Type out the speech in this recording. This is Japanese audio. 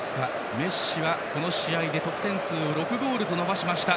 メッシは、この試合で得点数を６ゴールに伸ばしました。